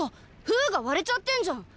封が割れちゃってんじゃん！